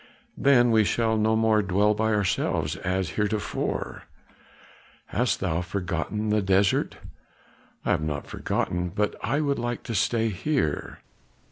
"Then we shall no more dwell by ourselves as heretofore? Hast thou forgotten the desert?" "I have not forgotten, but I would like to stay here."